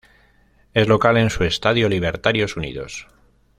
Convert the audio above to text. Es local en su Estadio Libertarios Unidos.